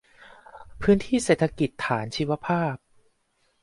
พื้นที่เศรษฐกิจฐานชีวภาพ